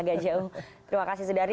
jauh jauh terima kasih sudah hari